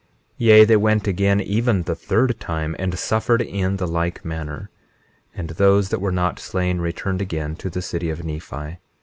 21:12 Yea, they went again even the third time, and suffered in the like manner; and those that were not slain returned again to the city of Nephi.